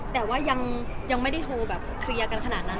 แต่ว่ายังไม่ได้โทรแบบเคลียร์กันขนาดนั้น